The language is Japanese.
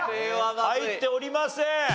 入っておりません。